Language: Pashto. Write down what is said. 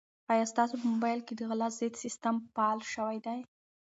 آیا ستاسو په موبایل کې د غلا ضد سیسټم فعال شوی دی؟